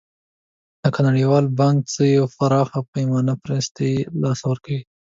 لکه نړیوال بانک څخه په پراخه پیمانه مرستې تر لاسه کوي.